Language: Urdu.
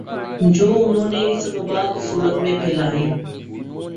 جو انھوں نے اس وبا کی صورت میں پھیلائی